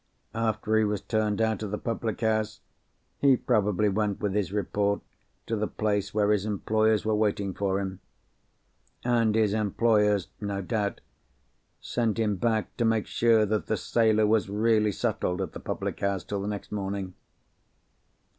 After he was turned out of the public house, he probably went with his report to the place where his employers were waiting for him. And his employers, no doubt, sent him back to make sure that the sailor was really settled at the public house till the next morning.